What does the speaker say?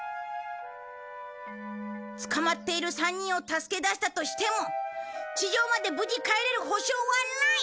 捕まっている３人を助け出したとしても地上まで無事帰れる保証はない。